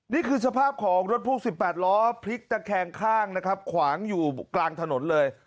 นี่คือสภาพของรถพ่วง๑๘ล้อพลิกตะแคงข้างนะครับขวางอยู่กลางถนนเลย